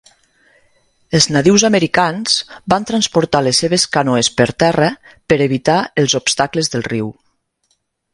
Els nadius americans van transportar les seves canoes per terra per evitar els obstacles del riu.